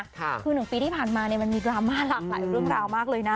คือ๑ปีที่ผ่านมาเนี่ยมันมีดราม่าหลากหลายเรื่องราวมากเลยนะ